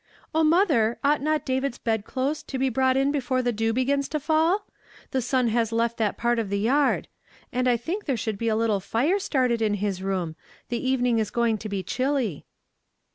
" O mother, ought not David's L .dclothes to be brought in before the dew begins to fall ? The smi has left that part of the yard. And I think there should be a little fire started in his room, the evening is going to be chilly."